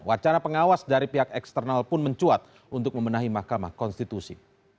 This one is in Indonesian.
wacana pengawas dari pihak eksternal pun mencuat untuk membenahi mahkamah konstitusi